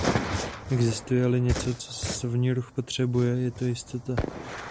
Existuje-li něco, co cestovní ruch potřebuje, je to jistota.